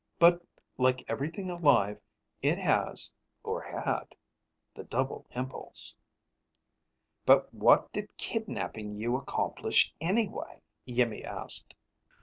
But, like everything alive, it has, or had, the double impulse." "But what did kidnaping you accomplish, anyway?" Iimmi asked.